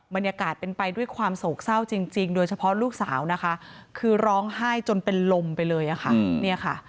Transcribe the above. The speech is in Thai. บรรยากาศเป็นไปด้วยความโศกเศร้าจริงโดยเฉพาะลูกสาวนะคะคือร้องไห้จนเป็นลมไปเลยค่ะเนี่ยค่ะ